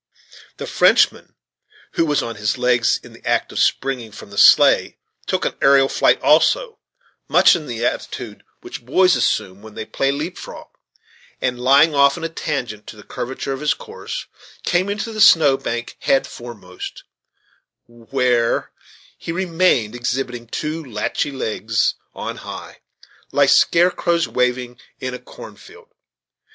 The Frenchman, who was on his legs, in the act of springing from the sleigh, took an aerial flight also, much in the attitude which boys assume when they play leap frog, and, flying off in a tangent to the curvature of his course, came into the snow bank head foremost, where he remained, exhibiting two lathy legs on high, like scarecrows waving in a corn field.